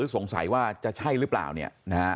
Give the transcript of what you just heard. สงสัยว่าจะใช่หรือเปล่าเนี่ยนะฮะ